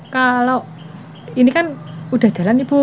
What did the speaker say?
kalau ini kan udah jalan ibu